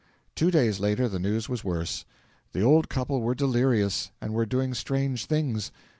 Two days later the news was worse. The old couple were delirious, and were doing strange things.